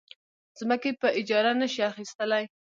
ځمکې په اجاره نه شي اخیستلی.